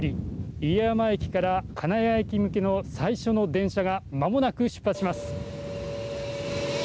家山駅から金谷駅向けの最初の電車がまもなく出発します。